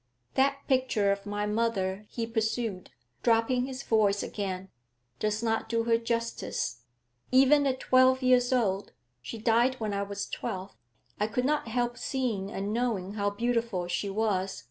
'That picture of my mother,' he pursued, dropping his voice again, 'does not do her justice. Even at twelve years old (she died when I was twelve) I could not help seeing and knowing how beautiful she was.